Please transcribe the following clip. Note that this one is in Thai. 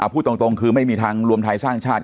พูดตรงคือไม่มีทางรวมไทยสร้างชาติ